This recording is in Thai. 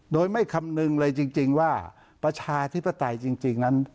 โดยไม่คำนึงเลยจริงว่าประชาธิปไตยจริงนั้น